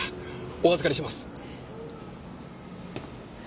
お預かりします。